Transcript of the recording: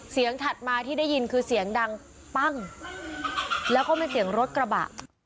ถัดมาที่ได้ยินคือเสียงดังปั้งแล้วก็มีเสียงรถกระบะ